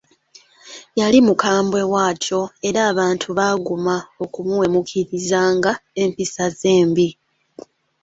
Yali mukambwe bw'atyo era abantu baaguma okumuwemuukirizanga empisa ze embi.